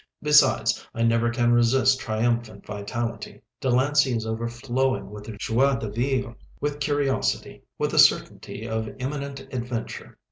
Besides, I never can resist triumphant vitality. Delancey is overflowing with joie de vivre, with curiosity, with a certainty of imminent adventure.